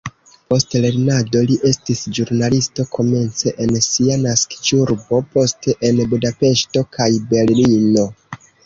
Post lernado li estis ĵurnalisto komence en sia naskiĝurbo, poste en Budapeŝto kaj Berlino.